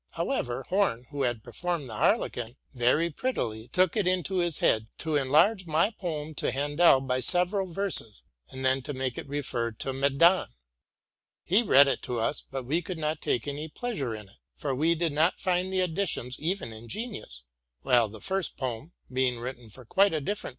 However, Horn, who had performed the Harlequin very prettily, took it into his head to enlarge my poem to Hendel by several verses, and then to make it refer to ''Medon.'' He read it to us; ; but we could not take any pleasure in it, for we did not find the additions even ingenious: while the first poem, being written for quite a different.